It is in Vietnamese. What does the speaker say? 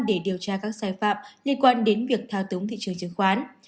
để điều tra các sai phạm liên quan đến việc thao túng thị trường chứng khoán